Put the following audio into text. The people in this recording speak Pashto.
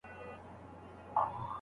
او هند کي ئې ګوا ونیوله.